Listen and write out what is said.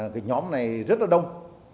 cái nhóm này rất là đông